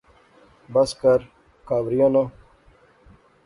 بس کر، کہاوریاں ناں